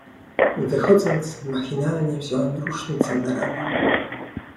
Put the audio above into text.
"Wychodząc, machinalnie wziąłem rusznicę na ramię."